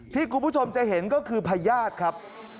ที่คุณผู้ชมจะเห็นก็คือพญาติครับ